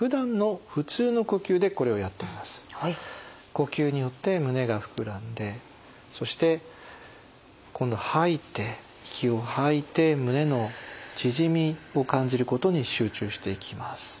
呼吸によって胸がふくらんでそして今度吐いて息を吐いて胸の縮みを感じることに集中していきます。